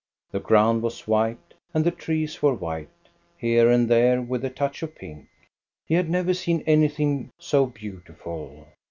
The ground was white, and the trees were white, here and there with a touch of pink. He had never seen anything beautiful.